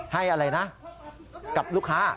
อะไรนะกับลูกค้า